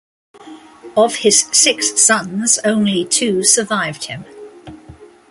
Of his six sons, only two survived him.